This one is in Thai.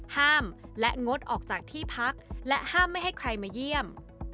ห้ามและงดออกจากที่พักและห้ามไม่ให้ใครมาเยี่ยม